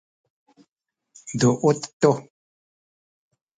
duut tu